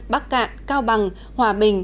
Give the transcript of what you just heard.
bắc cạn cao bằng hòa bình